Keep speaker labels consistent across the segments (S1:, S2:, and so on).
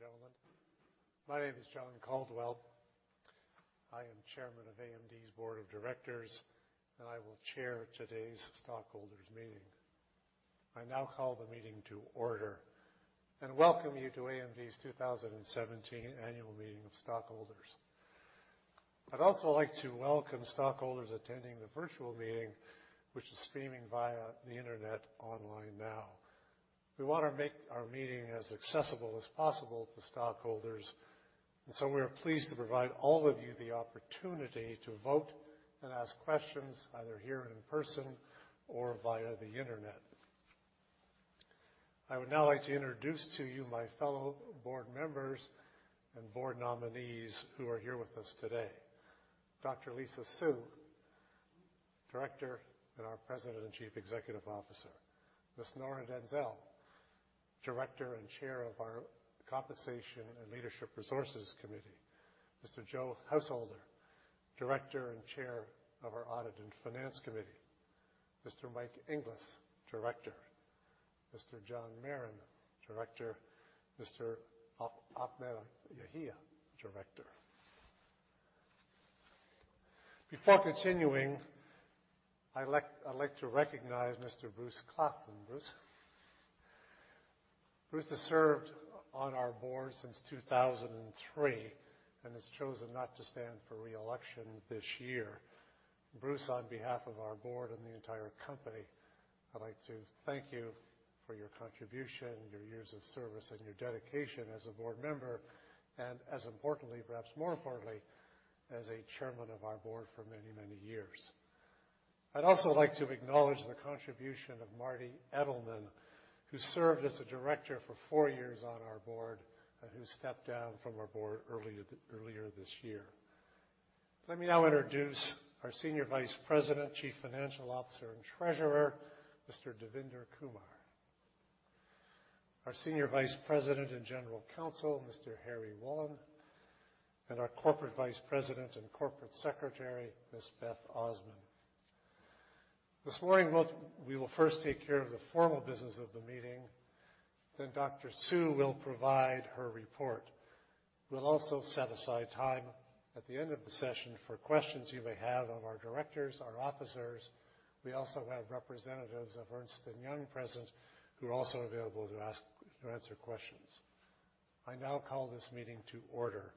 S1: Good morning, ladies and gentlemen. My name is John Caldwell. I am Chairman of AMD's Board of Directors, and I will chair today's stockholders meeting. I now call the meeting to order and welcome you to AMD's 2017 annual meeting of stockholders. I'd also like to welcome stockholders attending the virtual meeting, which is streaming via the internet online now. So we are pleased to provide all of you the opportunity to vote and ask questions, either here in person or via the internet. I would now like to introduce to you my fellow board members and board nominees who are here with us today. Dr. Lisa Su, Director and our President and Chief Executive Officer. Ms. Nora Denzel, Director and Chair of our Compensation and Leadership Resources Committee. Mr. Joseph A. Householder, Director and Chair of our Audit and Finance Committee. Mr. Mike Inglis, Director. Mr. John Marren, Director. Mr. Ahmed Yahia, Director. Before continuing, I'd like to recognize Mr. Bruce Claflin. Bruce has served on our board since 2003 and has chosen not to stand for re-election this year. Bruce, on behalf of our board and the entire company, I'd like to thank you for your contribution, your years of service, and your dedication as a board member, and as importantly, perhaps more importantly, as a chairman of our board for many, many years. I'd also like to acknowledge the contribution of Marty Edelman, who served as a director for four years on our board, and who stepped down from our board earlier this year. Let me now introduce our Senior Vice President, Chief Financial Officer, and Treasurer, Mr. Devinder Kumar. Our Senior Vice President and General Counsel, Mr. Harry Wolin, and our Corporate Vice President and Corporate Secretary, Ms. Beth Ossmann. This morning, we will first take care of the formal business of the meeting. Dr. Su will provide her report. We'll also set aside time at the end of the session for questions you may have of our directors, our officers. We also have representatives of Ernst & Young present who are also available to answer questions. I now call this meeting to order.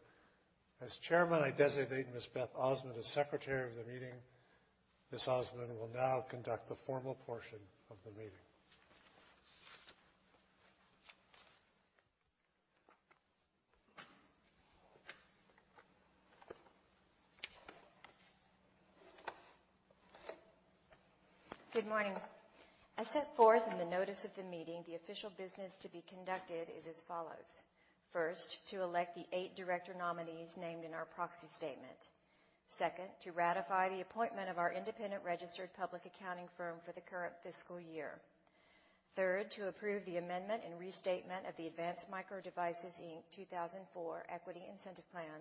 S1: As chairman, I designate Ms. Beth Ossmann as Secretary of the meeting. Ms. Ossmann will now conduct the formal portion of the meeting.
S2: Good morning. As set forth in the notice of the meeting, the official business to be conducted is as follows. First, to elect the eight director nominees named in our proxy statement. Second, to ratify the appointment of our independent registered public accounting firm for the current fiscal year. Third, to approve the amendment and restatement of the Advanced Micro Devices, Inc. 2004 Equity Incentive Plan.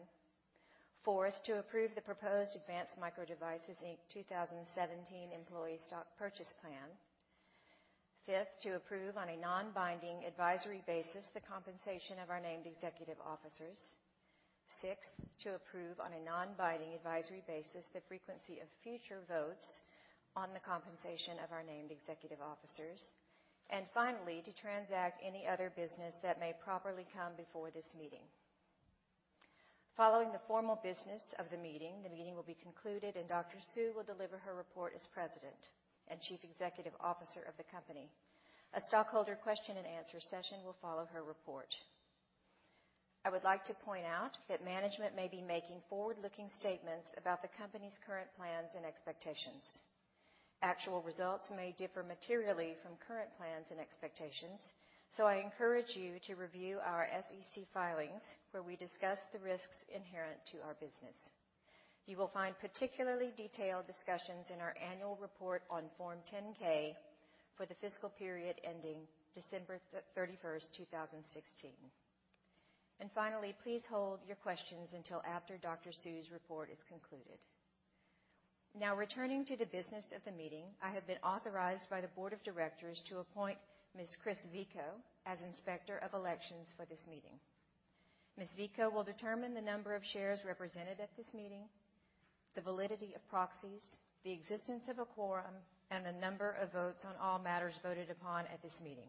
S2: Fourth, to approve the proposed Advanced Micro Devices, Inc. 2017 Employee Stock Purchase Plan. Fifth, to approve on a non-binding advisory basis the compensation of our named executive officers. Sixth, to approve on a non-binding advisory basis the frequency of future votes on the compensation of our named executive officers. Finally, to transact any other business that may properly come before this meeting. Following the formal business of the meeting, the meeting will be concluded, and Dr. Su will deliver her report as President and Chief Executive Officer of the company. A stockholder question and answer session will follow her report. I would like to point out that management may be making forward-looking statements about the company's current plans and expectations. Actual results may differ materially from current plans and expectations. So I encourage you to review our SEC filings, where we discuss the risks inherent to our business. You will find particularly detailed discussions in our annual report on Form 10-K for the fiscal period ending December 31st, 2016. Please hold your questions until after Dr. Su's report is concluded. Now returning to the business of the meeting, I have been authorized by the board of directors to appoint Ms. Chris Vico as Inspector of Elections for this meeting. Ms. Vico will determine the number of shares represented at this meeting, the validity of proxies, the existence of a quorum, and the number of votes on all matters voted upon at this meeting.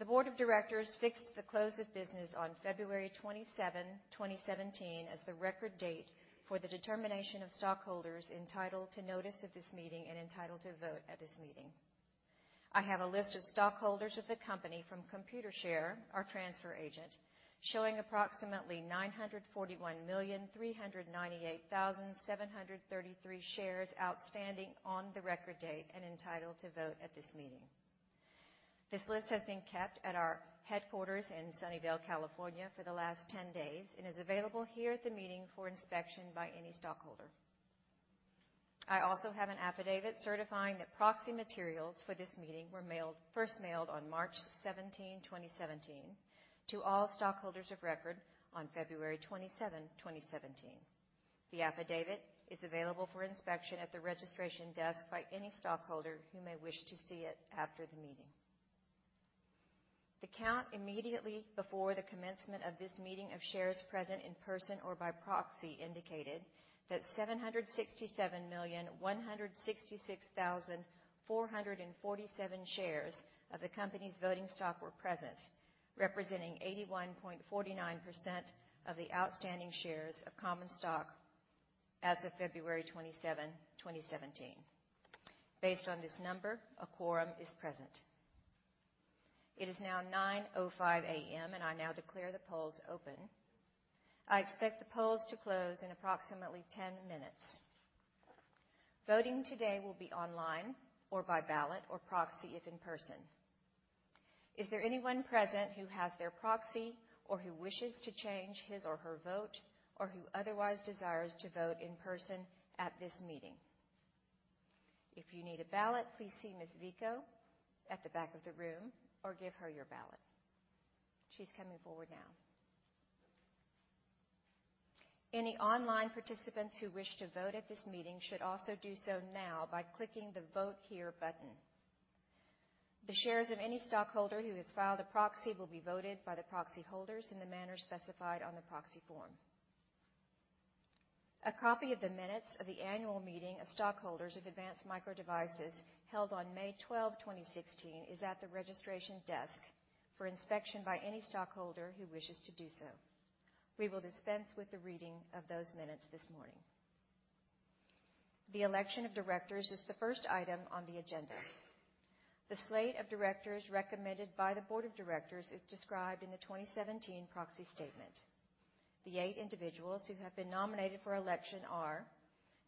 S2: The board of directors fixed the close of business on February 27, 2017, as the record date for the determination of stockholders entitled to notice of this meeting and entitled to vote at this meeting. I have a list of stockholders of the company from Computershare, our transfer agent, showing approximately 941,398,733 shares outstanding on the record date and entitled to vote at this meeting. This list has been kept at our headquarters in Sunnyvale, California for the last 10 days and is available here at the meeting for inspection by any stockholder. I also have an affidavit certifying that proxy materials for this meeting were first mailed on March 17, 2017, to all stockholders of record on February 27, 2017. The affidavit is available for inspection at the registration desk by any stockholder who may wish to see it after the meeting. The count immediately before the commencement of this meeting of shares present in person or by proxy indicated that 767,166,447 shares of the company's voting stock were present, representing 81.49% of the outstanding shares of common stock as of February 27, 2017. Based on this number, a quorum is present. It is now 9:05 A.M., and I now declare the polls open. I expect the polls to close in approximately 10 minutes. Voting today will be online or by ballot or proxy if in person. Is there anyone present who has their proxy or who wishes to change his or her vote, or who otherwise desires to vote in person at this meeting? If you need a ballot, please see Ms. Vico at the back of the room or give her your ballot. She's coming forward now. Any online participants who wish to vote at this meeting should also do so now by clicking the Vote Here button. The shares of any stockholder who has filed a proxy will be voted by the proxy holders in the manner specified on the proxy form. A copy of the minutes of the annual meeting of stockholders of Advanced Micro Devices held on May 12, 2016, is at the registration desk for inspection by any stockholder who wishes to do so. We will dispense with the reading of those minutes this morning. The election of directors is the first item on the agenda. The slate of directors recommended by the board of directors is described in the 2017 proxy statement. The eight individuals who have been nominated for election are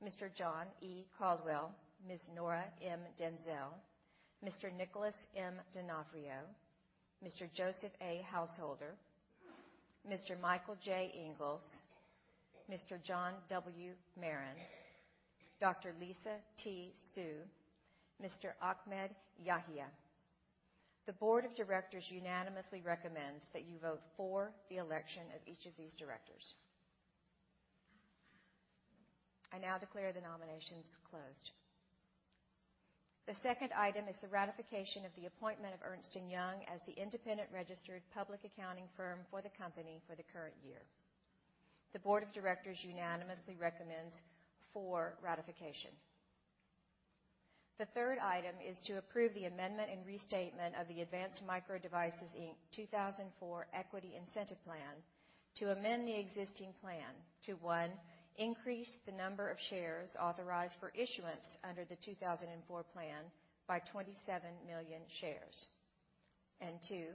S2: Mr. John E. Caldwell, Ms. Nora M. Denzel, Mr. Nicholas M. Donofrio, Mr. Joseph A. Householder, Mr. Michael J. Inglis, Mr. John W. Marren, Dr. Lisa T. Su, Mr. Ahmed Yahia. The board of directors unanimously recommends that you vote for the election of each of these directors. I now declare the nominations closed. The second item is the ratification of the appointment of Ernst & Young as the independent registered public accounting firm for the company for the current year. The board of directors unanimously recommends for ratification. The third item is to approve the amendment and restatement of the Advanced Micro Devices, Inc. 2004 Equity Incentive Plan to amend the existing plan to, one, increase the number of shares authorized for issuance under the 2004 plan by 27 million shares. Two,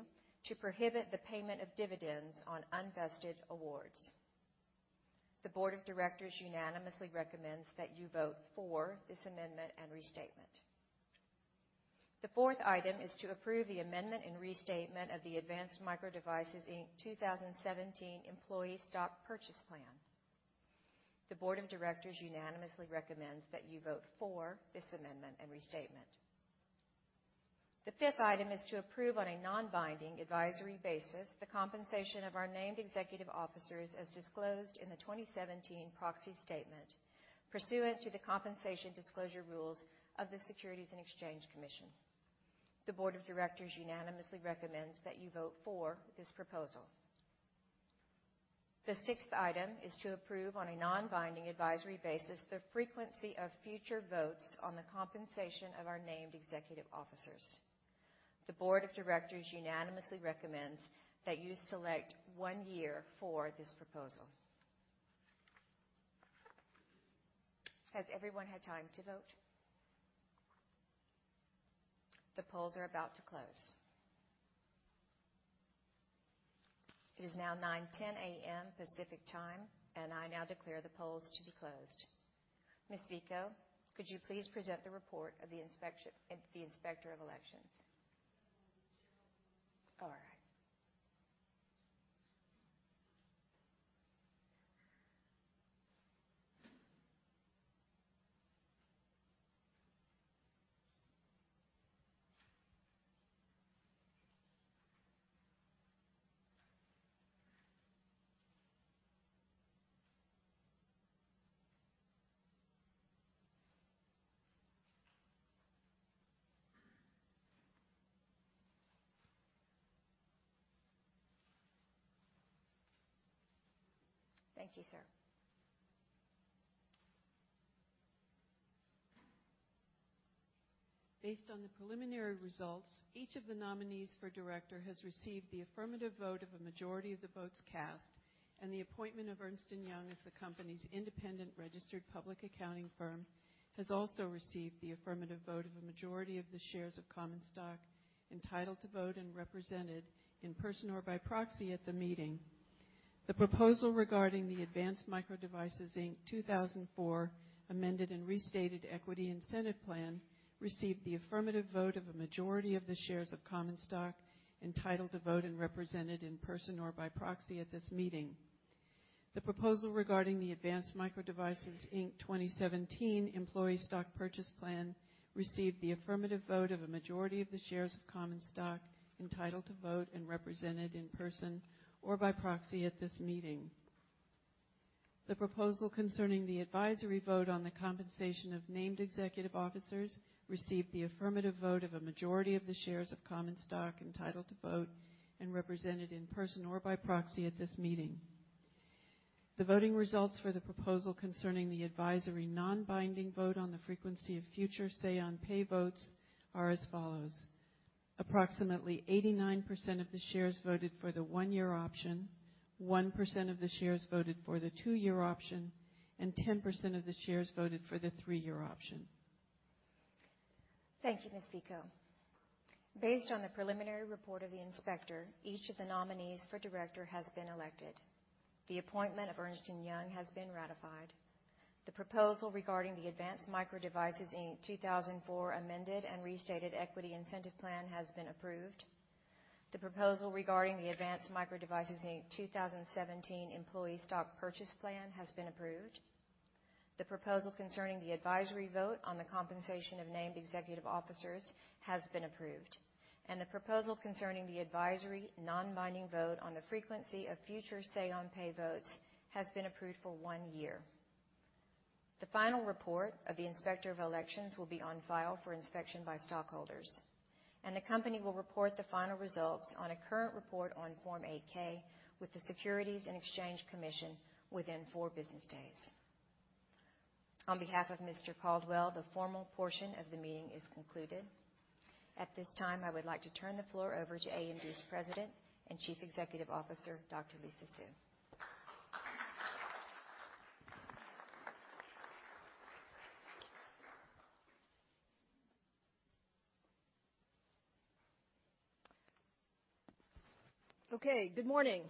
S2: to prohibit the payment of dividends on unvested awards. The board of directors unanimously recommends that you vote for this amendment and restatement. The fourth item is to approve the amendment and restatement of the Advanced Micro Devices, Inc. 2017 Employee Stock Purchase Plan. The board of directors unanimously recommends that you vote for this amendment and restatement. The fifth item is to approve on a non-binding advisory basis the compensation of our named executive officers as disclosed in the 2017 proxy statement pursuant to the compensation disclosure rules of the Securities and Exchange Commission. The board of directors unanimously recommends that you vote for this proposal. The sixth item is to approve on a non-binding advisory basis the frequency of future votes on the compensation of our named executive officers. The board of directors unanimously recommends that you select one year for this proposal. Has everyone had time to vote? The polls are about to close. It is now 10:09 A.M. Pacific Time, I now declare the polls to be closed. Ms. Vico, could you please present the report of the inspector of elections. All right. Thank you, sir.
S3: Based on the preliminary results, each of the nominees for director has received the affirmative vote of a majority of the votes cast, and the appointment of Ernst & Young as the company's independent registered public accounting firm has also received the affirmative vote of a majority of the shares of common stock entitled to vote and represented in person or by proxy at the meeting. The proposal regarding the Advanced Micro Devices, Inc. 2004 Amended and Restated Equity Incentive Plan received the affirmative vote of a majority of the shares of common stock entitled to vote and represented in person or by proxy at this meeting. The proposal regarding the Advanced Micro Devices, Inc. 2017 Employee Stock Purchase Plan received the affirmative vote of a majority of the shares of common stock entitled to vote and represented in person or by proxy at this meeting. The proposal concerning the advisory vote on the compensation of named executive officers received the affirmative vote of a majority of the shares of common stock entitled to vote and represented in person or by proxy at this meeting. The voting results for the proposal concerning the advisory non-binding vote on the frequency of future say on pay votes are as follows. Approximately 89% of the shares voted for the one-year option, 1% of the shares voted for the two-year option, and 10% of the shares voted for the three-year option.
S2: Thank you, Ms. Fico. Based on the preliminary report of the inspector, each of the nominees for director has been elected. The appointment of Ernst & Young has been ratified. The proposal regarding the Advanced Micro Devices, Inc. 2004 amended and restated Equity Incentive Plan has been approved. The proposal regarding the Advanced Micro Devices, Inc. 2017 Employee Stock Purchase Plan has been approved. The proposal concerning the advisory vote on the compensation of named executive officers has been approved. The proposal concerning the advisory non-binding vote on the frequency of future say on pay votes has been approved for one year. The final report of the Inspector of Elections will be on file for inspection by stockholders, and the company will report the final results on a current report on Form 8-K with the Securities and Exchange Commission within four business days. On behalf of Mr. Caldwell, the formal portion of the meeting is concluded. At this time, I would like to turn the floor over to AMD's President and Chief Executive Officer, Dr. Lisa Su.
S4: Thank you. Okay. Good morning.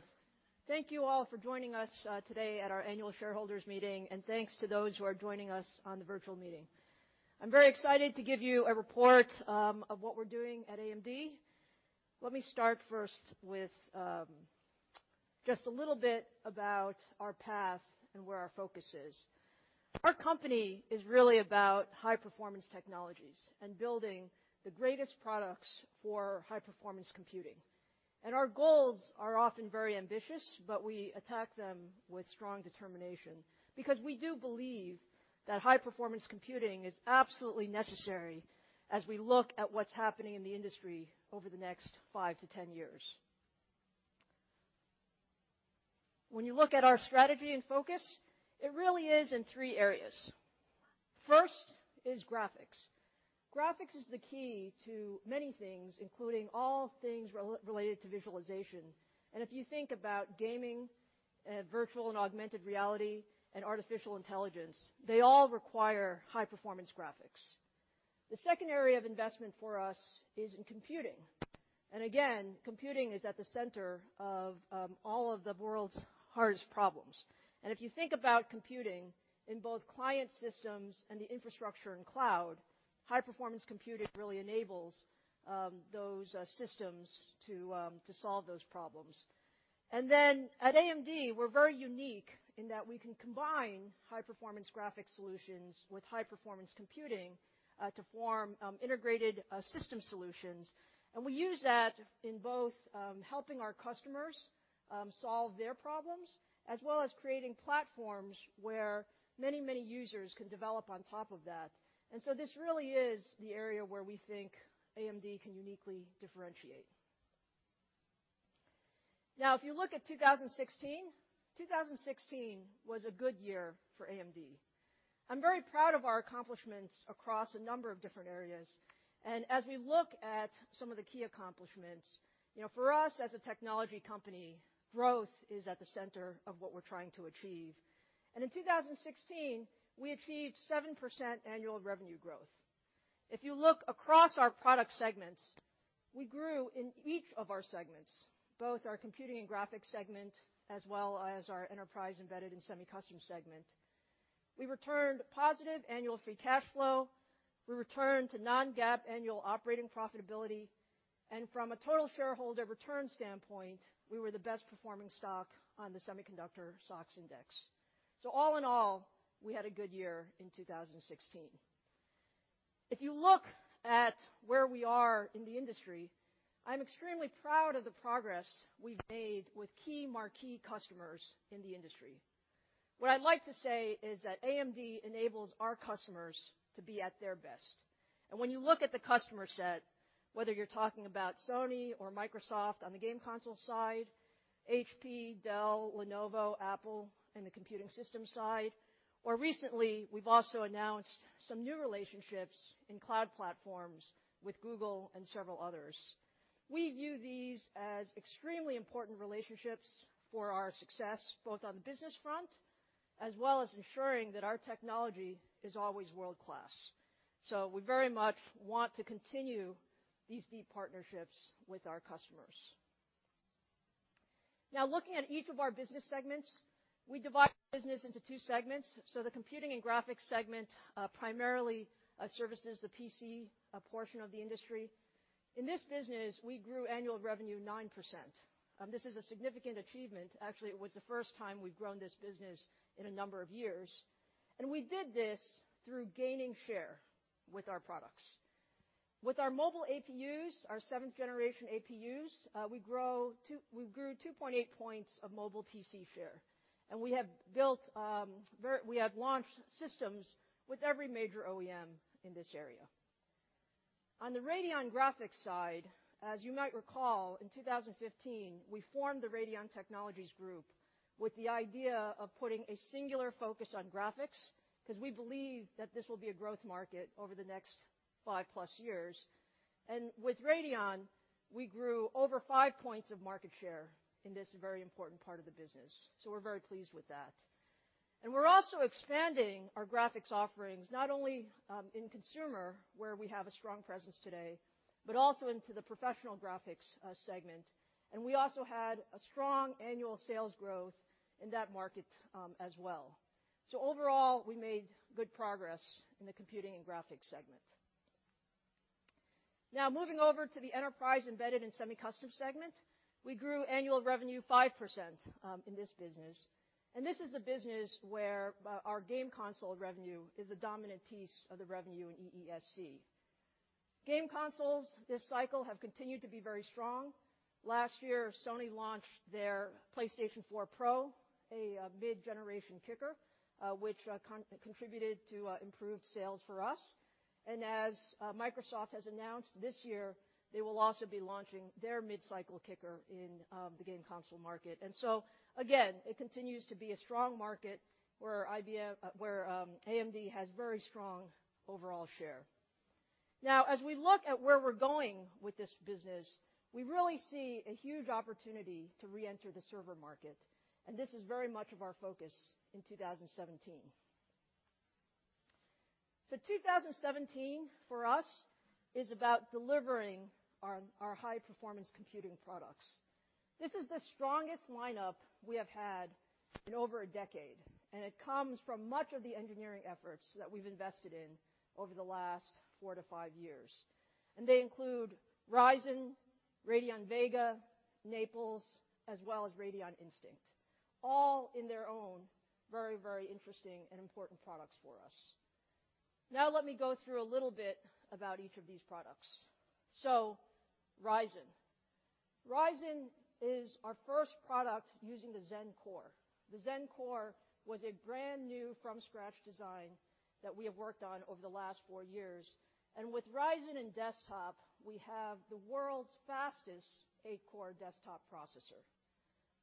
S4: Thank you all for joining us today at our annual shareholders meeting, and thanks to those who are joining us on the virtual meeting. I'm very excited to give you a report of what we're doing at AMD. Let me start first with just a little bit about our path and where our focus is. Our company is really about high-performance technologies and building the greatest products for high-performance computing. Our goals are often very ambitious, but we attack them with strong determination because we do believe that high-performance computing is absolutely necessary as we look at what's happening in the industry over the next five to 10 years. When you look at our strategy and focus, it really is in three areas. First is graphics. Graphics is the key to many things, including all things related to visualization. If you think about gaming, virtual and augmented reality, and artificial intelligence, they all require high-performance graphics. The second area of investment for us is in computing. Again, computing is at the center of all of the world's hardest problems. If you think about computing in both client systems and the infrastructure and cloud, high-performance computing really enables those systems to solve those problems. At AMD, we're very unique in that we can combine high-performance graphic solutions with high-performance computing, to form integrated system solutions. We use that in both helping our customers solve their problems as well as creating platforms where many users can develop on top of that. This really is the area where we think AMD can uniquely differentiate. Now, if you look at 2016. 2016 was a good year for AMD. I'm very proud of our accomplishments across a number of different areas. As we look at some of the key accomplishments. For us, as a technology company, growth is at the center of what we're trying to achieve. In 2016, we achieved 7% annual revenue growth. If you look across our product segments, we grew in each of our segments, both our computing and graphics segment, as well as our enterprise embedded and semi-custom segment. We returned positive annual free cash flow. We returned to non-GAAP annual operating profitability. From a total shareholder return standpoint, we were the best-performing stock on the semiconductor SOX index. All in all, we had a good year in 2016. If you look at where we are in the industry, I'm extremely proud of the progress we've made with key marquee customers in the industry. What I'd like to say is that AMD enables our customers to be at their best. When you look at the customer set, whether you're talking about Sony or Microsoft on the game console side, HP, Dell, Lenovo, Apple, in the computing system side, or recently, we've also announced some new relationships in cloud platforms with Google and several others. We view these as extremely important relationships for our success, both on the business front as well as ensuring that our technology is always world-class. We very much want to continue these deep partnerships with our customers. Now looking at each of our business segments. We divide the business into two segments. The computing and graphics segment primarily services the PC portion of the industry. In this business, we grew annual revenue 9%. This is a significant achievement. Actually, it was the first time we've grown this business in a number of years, and we did this through gaining share with our products. With our mobile APUs, our seventh generation APUs, we grew 2.8 points of mobile PC share, and we have launched systems with every major OEM in this area. On the Radeon Graphics side, as you might recall, in 2015, we formed the Radeon Technologies Group with the idea of putting a singular focus on graphics, because we believe that this will be a growth market over the next five-plus years. With Radeon, we grew over five points of market share in this very important part of the business. We're very pleased with that. We're also expanding our graphics offerings, not only in consumer, where we have a strong presence today, but also into the professional graphics segment. We also had a strong annual sales growth in that market as well. Overall, we made good progress in the computing and graphics segment. Now moving over to the Enterprise, Embedded, and Semi-Custom segment. We grew annual revenue 5% in this business. This is the business where our game console revenue is a dominant piece of the revenue in EESC. Game consoles, this cycle, have continued to be very strong. Last year, Sony launched their PlayStation 4 Pro, a mid-generation kicker, which contributed to improved sales for us. As Microsoft has announced this year, they will also be launching their mid-cycle kicker in the game console market. Again, it continues to be a strong market where AMD has very strong overall share. Now, as we look at where we're going with this business, we really see a huge opportunity to re-enter the server market, and this is very much of our focus in 2017. 2017, for us, is about delivering our high-performance computing products. This is the strongest lineup we have had in over a decade, and it comes from much of the engineering efforts that we've invested in over the last four to five years. They include Ryzen, Radeon Vega, Naples, as well as Radeon Instinct. All in their own, very interesting and important products for us. Now let me go through a little bit about each of these products. Ryzen. Ryzen is our first product using the Zen core. The Zen core was a brand-new, from-scratch design that we have worked on over the last four years. With Ryzen and desktop, we have the world's fastest eight-core desktop processor.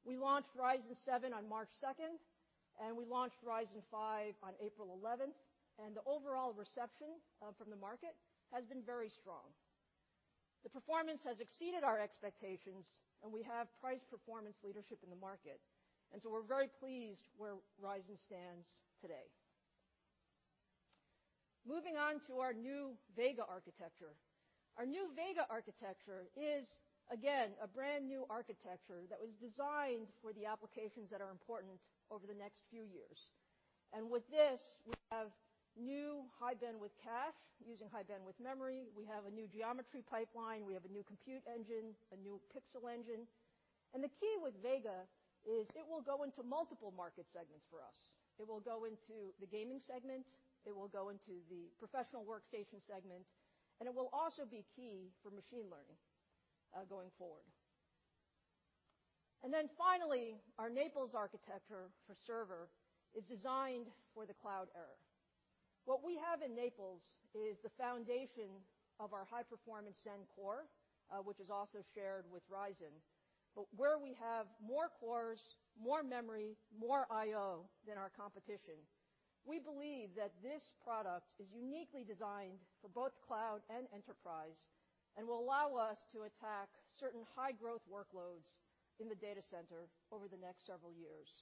S4: We launched Ryzen 7 on March 2nd, and we launched Ryzen 5 on April 11th, and the overall reception from the market has been very strong. The performance has exceeded our expectations, and we have price-performance leadership in the market. We're very pleased where Ryzen stands today. Moving on to our new Vega architecture. Our new Vega architecture is, again, a brand-new architecture that was designed for the applications that are important over the next few years. With this, we have new high-bandwidth cache using high-bandwidth memory. We have a new geometry pipeline. We have a new compute engine, a new pixel engine. The key with Vega is it will go into multiple market segments for us. It will go into the gaming segment, it will go into the professional workstation segment, and it will also be key for machine learning going forward. Finally, our Naples architecture for server is designed for the cloud era. What we have in Naples is the foundation of our high-performance Zen core, which is also shared with Ryzen. Where we have more cores, more memory, more I/O than our competition. We believe that this product is uniquely designed for both cloud and enterprise and will allow us to attack certain high-growth workloads in the data center over the next several years.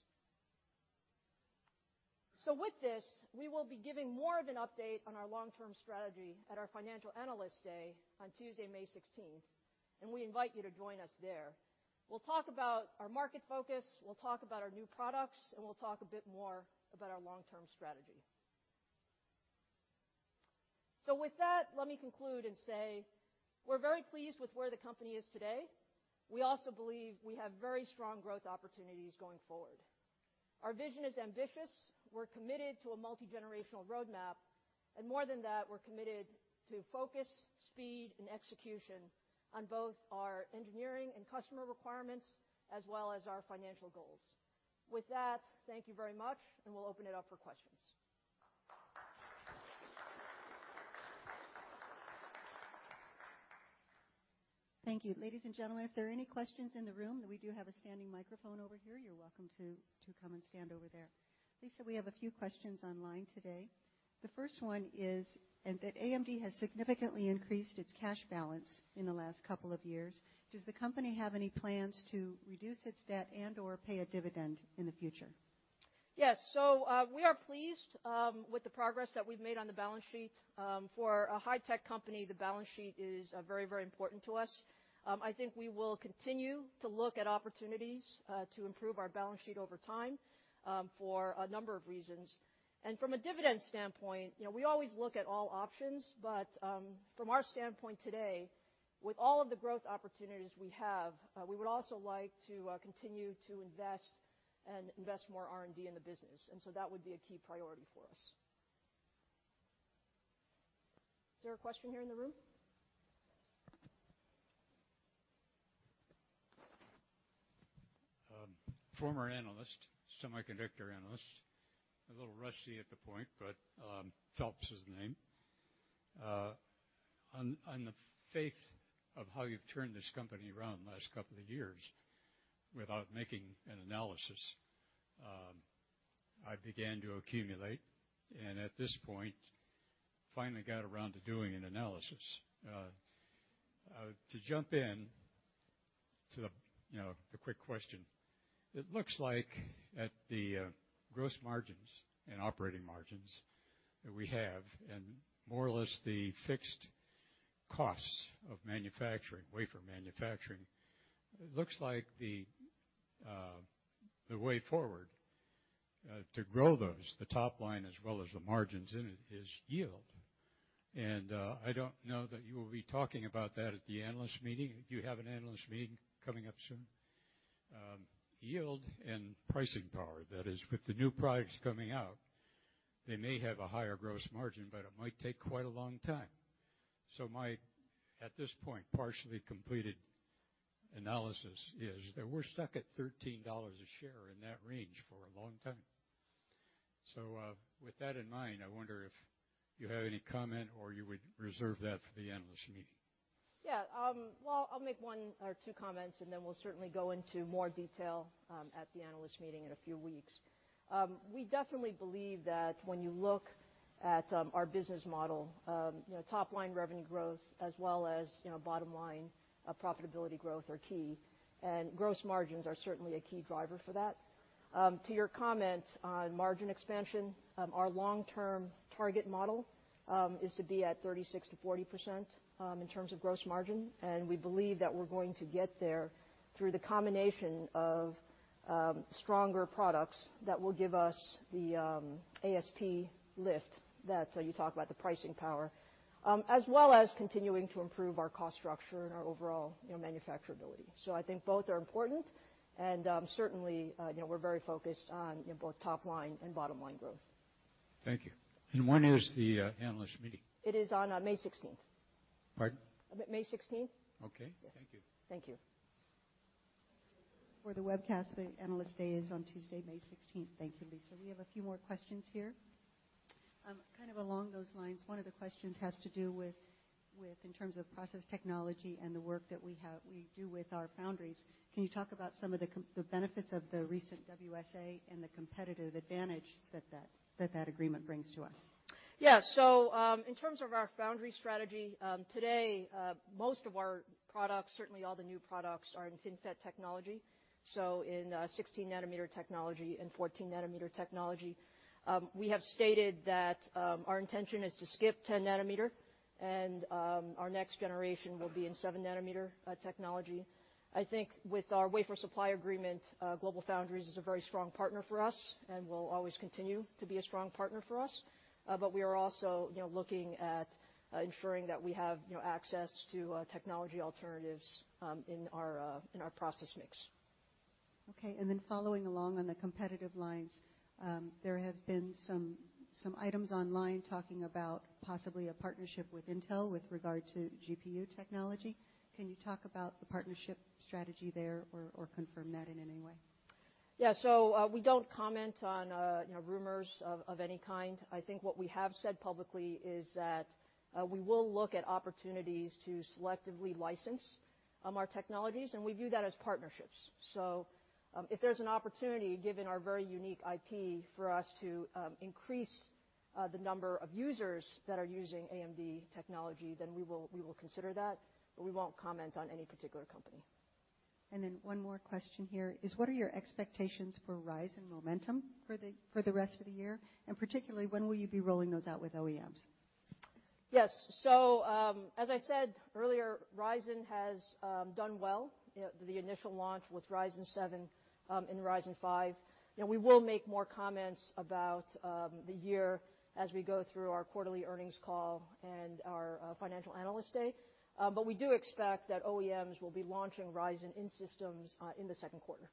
S4: With this, we will be giving more of an update on our long-term strategy at our Financial Analyst Day on Tuesday, May 16th. We invite you to join us there. We'll talk about our market focus. We'll talk about our new products, and we'll talk a bit more about our long-term strategy. With that, let me conclude and say we're very pleased with where the company is today. We also believe we have very strong growth opportunities going forward. Our vision is ambitious. We're committed to a multigenerational roadmap, and more than that, we're committed to focus, speed, and execution on both our engineering and customer requirements as well as our financial goals. With that, thank you very much, and we'll open it up for questions.
S5: Thank you. Ladies and gentlemen, if there are any questions in the room, we do have a standing microphone over here. You're welcome to come and stand over there. Lisa, we have a few questions online today. The first one is that AMD has significantly increased its cash balance in the last couple of years. Does the company have any plans to reduce its debt and or pay a dividend in the future?
S4: Yes. We are pleased with the progress that we've made on the balance sheet. For a high-tech company, the balance sheet is very important to us. I think we will continue to look at opportunities to improve our balance sheet over time for a number of reasons. From a dividend standpoint, we always look at all options, from our standpoint today With all of the growth opportunities we have, we would also like to continue to invest and invest more R&D in the business. That would be a key priority for us. Is there a question here in the room?
S6: Former analyst, semiconductor analyst. A little rusty at the point, Phelps is the name. On the faith of how you've turned this company around the last couple of years without making an analysis, I began to accumulate, and at this point, finally got around to doing an analysis. To jump in to the quick question, it looks like at the gross margins and operating margins that we have and more or less the fixed costs of manufacturing, wafer manufacturing, it looks like the way forward to grow those, the top line as well as the margins in it, is yield. I don't know that you will be talking about that at the analyst meeting. Do you have an analyst meeting coming up soon? Yield and pricing power. That is, with the new products coming out, they may have a higher gross margin, but it might take quite a long time. My, at this point, partially completed analysis is that we're stuck at $13 a share in that range for a long time. With that in mind, I wonder if you have any comment, or you would reserve that for the analyst meeting.
S4: Well, I'll make one or two comments, then we'll certainly go into more detail at the analyst meeting in a few weeks. We definitely believe that when you look at our business model, top-line revenue growth as well as bottom-line profitability growth are key, gross margins are certainly a key driver for that. To your comment on margin expansion, our long-term target model, is to be at 36%-40% in terms of gross margin, and we believe that we're going to get there through the combination of stronger products that will give us the ASP lift, that you talk about, the pricing power, as well as continuing to improve our cost structure and our overall manufacturability. I think both are important and, certainly, we're very focused on both top-line and bottom-line growth.
S6: Thank you. When is the analyst meeting?
S4: It is on May 16th.
S6: Pardon?
S4: May 16th.
S6: Okay. Thank you.
S4: Thank you.
S5: For the webcast, the analyst day is on Tuesday, May 16th. Thank you, Lisa. We have a few more questions here. Kind of along those lines, one of the questions has to do with in terms of process technology and the work that we do with our foundries. Can you talk about some of the benefits of the recent WSA and the competitive advantage that that agreement brings to us?
S4: In terms of our foundry strategy, today, most of our products, certainly all the new products, are in FinFET technology. In 16 nanometer technology and 14 nanometer technology. We have stated that our intention is to skip 10 nanometer and our next generation will be in seven nanometer technology. I think with our wafer supply agreement, GlobalFoundries is a very strong partner for us and will always continue to be a strong partner for us. We are also looking at ensuring that we have access to technology alternatives in our process mix.
S5: Following along on the competitive lines, there have been some items online talking about possibly a partnership with Intel with regard to GPU technology. Can you talk about the partnership strategy there or confirm that in any way?
S4: We don't comment on rumors of any kind. I think what we have said publicly is that we will look at opportunities to selectively license our technologies, and we view that as partnerships. If there's an opportunity, given our very unique IP, for us to increase the number of users that are using AMD technology, then we will consider that, we won't comment on any particular company.
S5: One more question here is what are your expectations for Ryzen momentum for the rest of the year, and particularly when will you be rolling those out with OEMs?
S4: Yes. As I said earlier, Ryzen has done well. The initial launch with Ryzen 7 and Ryzen 5. We will make more comments about the year as we go through our quarterly earnings call and our financial analyst day. We do expect that OEMs will be launching Ryzen in systems in the second quarter.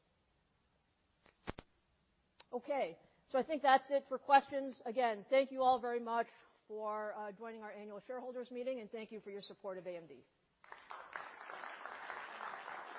S4: Okay. I think that's it for questions. Again, thank you all very much for joining our annual shareholders meeting, and thank you for your support of AMD.